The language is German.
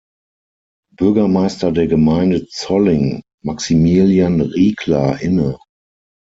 Bürgermeister der Gemeinde Zolling, Maximilian Riegler, inne.